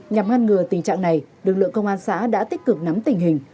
nhằm ngăn ngừa tình trạng này lực lượng công an xã đã tích cực nắm tình hình